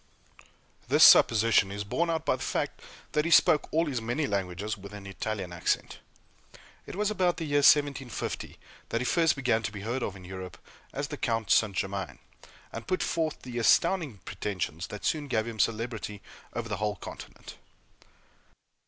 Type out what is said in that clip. This supposition is borne out by the fact that he spoke all his many languages with an Italian accent. It was about the year 1750 that he first began to be heard of in Europe as the Count St. Germain, and put forth the astounding pretensions that soon gave him celebrity over the whole continent.